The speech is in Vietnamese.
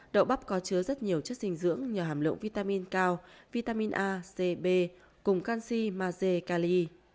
đậu bắp có chứa rất nhiều chất dinh dưỡng nhờ hàm lượng vitamin cao vitamin a cb cùng canxi maze cali